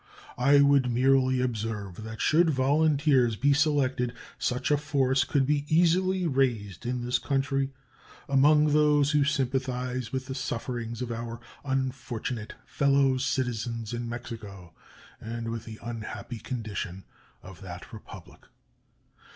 I would merely observe that should volunteers be selected such a force could be easily raised in this country among those who sympathize with the sufferings of our unfortunate fellow citizens in Mexico and with the unhappy condition of that Republic.